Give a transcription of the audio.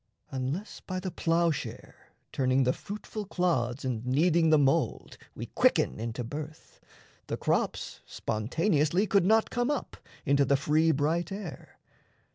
Unless, by the ploughshare turning the fruitful clods And kneading the mould, we quicken into birth, [The crops] spontaneously could not come up Into the free bright air.